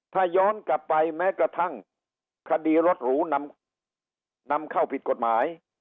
ถ้าย้อนกลับไปแม้กระทั่งคดีรถหรูนำเข้าผิดกฎหมาย